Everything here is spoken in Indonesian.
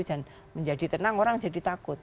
dan menjadi tenang orang jadi takut